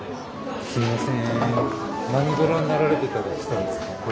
すいません。